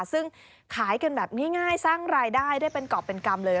ซึ่งขายกันแบบง่ายสร้างรายได้ได้เป็นกรอบเป็นกรรมเลย